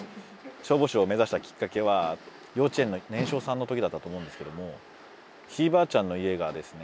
消防士を目指したきっかけは幼稚園の年少さんの時だったと思うんですけどもひいばあちゃんの家がですね